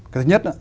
cái thứ nhất á